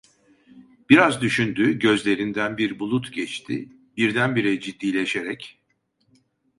Biraz düşündü; gözlerinden bir bulut geçti; birdenbire ciddileşerek: